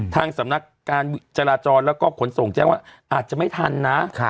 ทางสำนักการจราจรแล้วก็ขนส่งแจ้งว่าอาจจะไม่ทันนะ